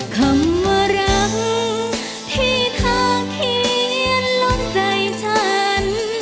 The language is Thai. คำว่ารักที่ทางเขียนล็อกใจฉัน